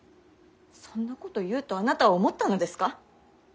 そんなこと言うとあなたは思ったのですか。